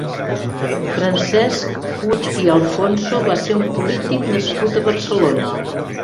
Francesc Puig i Alfonso va ser un polític nascut a Barcelona.